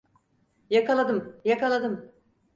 Yakaladım, yakaladım.